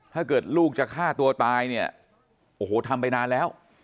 ถ้าเกิดลูกจะฆ่าตัวตายเนี่ยโอ้โหทำไปนานแล้ว